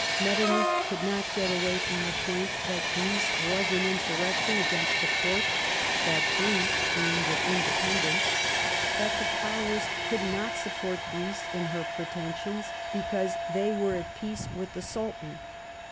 Metternich could not get away from the point that Greece was in insurrection against the Porte ; that Greece aimed at independence ; that the Powers could not support Greece in her pretensions, because they were at peace with the Sultan.